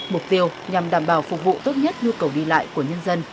mục tiêu nhằm đảm bảo phục vụ tốt nhất nhu cầu đi lại của nhân dân